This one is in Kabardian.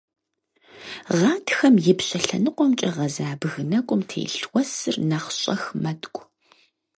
Гъатхэм ипщэ лъэныкъуэмкӀэ гъэза бгы нэкӀум телъ уэсыр нэхъ щӀэх мэткӀу.